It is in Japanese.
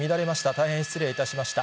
大変失礼いたしました。